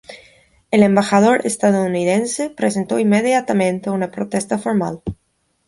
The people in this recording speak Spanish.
El embajador estadounidense presentó inmediatamente una protesta formal.